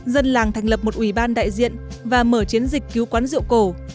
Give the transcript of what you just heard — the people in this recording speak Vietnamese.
dân làng thành lập một ủy ban đại diện và mở chiến dịch cứu quán rượu cổ